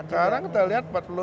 sekarang kita lihat empat puluh tahun